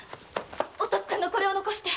お父っつぁんがこれを残して。